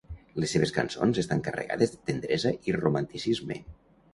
Les seves cançons estan carregades de tendresa i romanticisme.